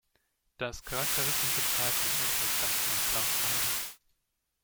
Das charakteristische Pfeifen im Intro stammt von Klaus Meine.